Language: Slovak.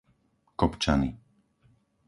Kopčany